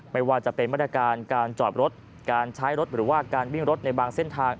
ไม่ว่าจะเป็นมาตรการการจอดรถการใช้รถหรือว่าการวิ่งรถในบางเส้นทาง